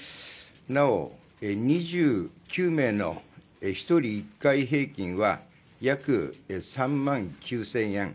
なお、２９名の１人１回平均は約３万９０００円。